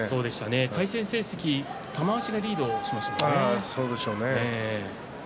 対戦成績玉鷲がリードしましたね。